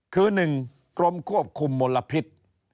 คือ๑กรมควบคุมมลพิษ